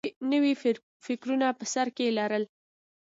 نوي فکرونه په سر کې لرل